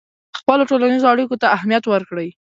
خپلو ټولنیزو اړیکو ته اهمیت ورکړئ.